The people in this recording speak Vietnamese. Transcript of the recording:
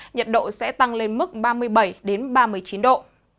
nhiệt độ sẽ tăng lên mức ba mươi bảy ba mươi chín độ